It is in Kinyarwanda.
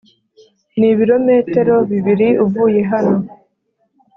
nibirometero bibiri uvuye hano